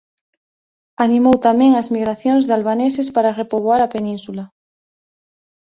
Animou tamén as migracións de albaneses para repoboar a península.